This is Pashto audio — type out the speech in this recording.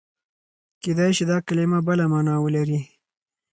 کېدای شي دا کلمه بله مانا ولري.